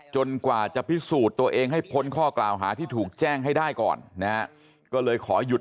กว่าจะพิสูจน์ตัวเองให้พ้นข้อกล่าวหาที่ถูกแจ้งให้ได้ก่อนนะฮะก็เลยขอหยุด